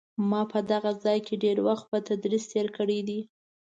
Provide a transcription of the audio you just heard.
ما په دغه ځای کې ډېر وخت په تدریس تېر کړی دی.